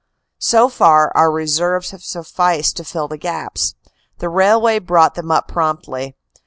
" So far, our reserves have sufficed to fill the gaps. The railway brought them up promptly.